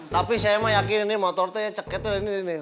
tapi saya emang yakin ini motornya ceketan ini nih